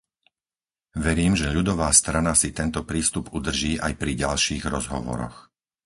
Verím, že ľudová strana si tento prístup udrží aj pri ďalších rozhovoroch.